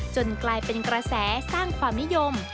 กลายเป็นกระแสสร้างความนิยม